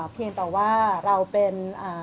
เพียงแต่ว่าเราเป็น